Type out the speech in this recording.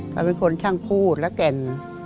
เขาเป็นคนช่างพูดและแก่น